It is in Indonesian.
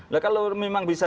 tapi kalau substansinya sama